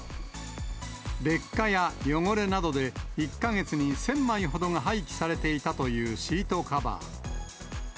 劣化や汚れなどで、１か月に１０００枚ほどが廃棄されていたというシートカバー。